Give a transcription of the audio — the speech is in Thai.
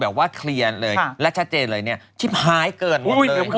ว่าเคลียร์เลยและชัดเจนเลยเนี่ยชิบหายเกินหมดเลย